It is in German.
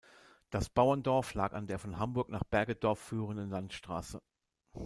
Das Bauerndorf lag an der von Hamburg nach Bergedorf führenden Landstraße.